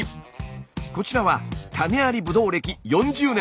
こちらは種ありブドウ歴４０年。